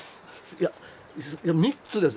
いや３つです。